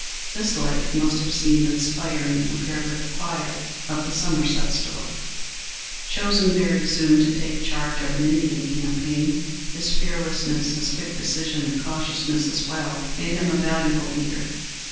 This life must have seemed inspiring compared with the quiet of the Somerset store. Chosen very soon to take charge of an Indian campaign, his fearlessness, his quick decision and cautiousness as well, made him a valuable leader.